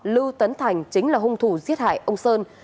lưu tấn thành chính là hung thủ giết hại ông sơn